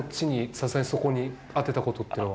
さすがに、そこに当てたことっていうのは？